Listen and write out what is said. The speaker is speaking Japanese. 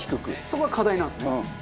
そこが課題なんですね。